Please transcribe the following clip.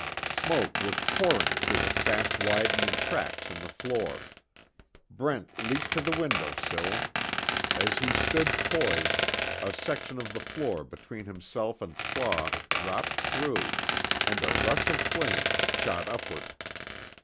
Smoke was pouring through the fast widening cracks in the floor. Brent leaped to the window sill. As he stood poised, a section of the floor between himself and Claw dropped through, and a rush of flames shot upward.